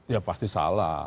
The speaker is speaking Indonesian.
ya pasti salah